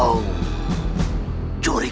kau yang berdiri